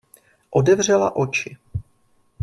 Otevřela oči.